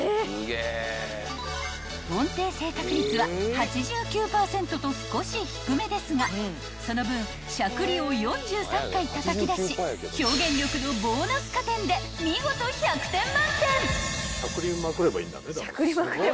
［音程正確率は８９％と少し低めですがその分しゃくりを４３回たたき出し表現力のボーナス加点で見事１００点満点］